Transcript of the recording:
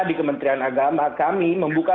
di kementerian agama kami membuka